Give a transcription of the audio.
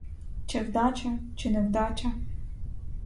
Чи вдача, чи невдача?